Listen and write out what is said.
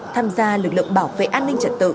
tham gia lực lượng bảo vệ an ninh trật tự